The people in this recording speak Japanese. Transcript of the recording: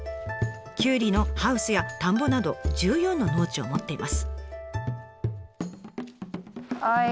キュウリのハウスや田んぼなど１４の農地を持っています。